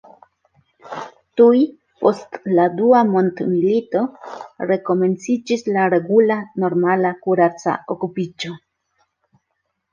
Tuj post la Dua Mondmilito, rekomenciĝis la regula, normala kuraca okupiĝo.